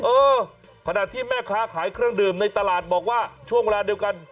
เออขณะที่แม่ค้าขายเครื่องดื่มในตลาดบอกว่าช่วงเวลาเดียวกัน